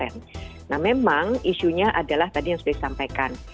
nah memang isunya adalah tadi yang sudah disampaikan